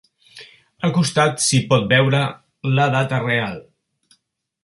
Al costat s'hi pot veure la data real.